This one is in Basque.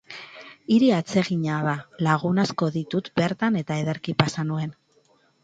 Hiri atsegina da, lagun asko ditut bertan eta ederki pasa nuen.